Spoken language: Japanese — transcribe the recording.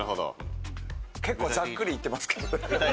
結構ざっくり言ってますけど。